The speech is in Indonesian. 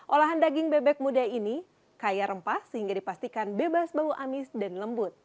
olahan daging bebek muda ini kaya rempah sehingga dipastikan bebas bau amis dan lembut